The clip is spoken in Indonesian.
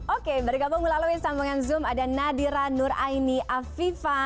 oke bergabung melalui sambungan zoom ada nadira nuraini afifan